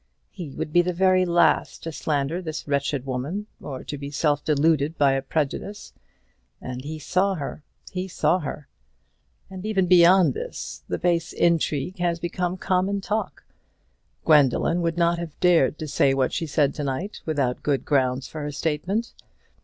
He would be the very last to slander this wretched woman, or to be self deluded by a prejudice; and he saw her he saw her. And even beyond this, the base intrigue has become common talk. Gwendoline would not have dared to say what she said to day without good grounds for her statement.